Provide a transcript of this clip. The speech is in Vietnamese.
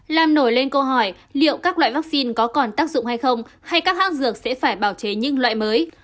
làm nổi lên câu hỏi liệu các loại vaccine có còn tác dụng hay không hay các hãng dược sẽ phải bảo chế những loại mới